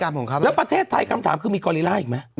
แล้วประเทศไทยคำถามคือมีกอลีล่าอีกไหม